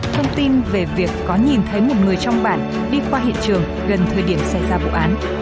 thông tin về việc có nhìn thấy một người trong bản đi qua hiện trường gần thời điểm xảy ra vụ án